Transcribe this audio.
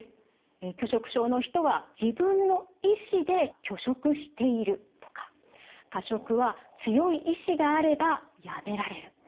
拒食症の人は「自分の意思で拒食している」とか「過食は強い意志があればやめられる」